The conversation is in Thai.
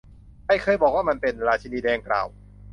ใครเคยบอกว่ามันเป็น ? ราชินีแดงกล่าว